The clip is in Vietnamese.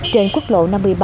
trên quốc lộ năm mươi ba